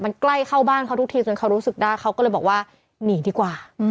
มันใกล้เข้าบ้านเขาทุกทีจนเขารู้สึกได้เขาก็เลยบอกว่าหนีดีกว่า